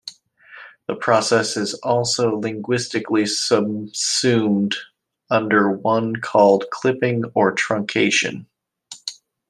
The process is also linguistically subsumed under one called "clipping", or "truncation".